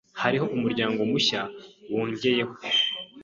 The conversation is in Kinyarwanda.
Hariho umuryango mushya wongeyeho.